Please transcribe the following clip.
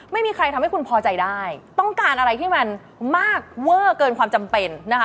ไม่มีใครทำให้คุณพอใจได้ต้องการอะไรที่มันมากเวอร์เกินความจำเป็นนะคะ